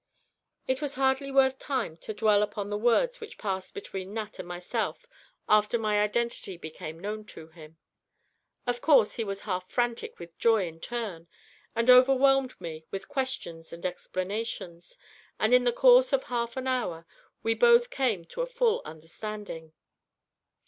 It is hardly worth time to dwell upon the words which passed between Nat and myself after my identity became known to him. Of course he was half frantic with joy in turn, and overwhelmed me with questions and explanations, and in the course of half an hour we both came to a full understanding.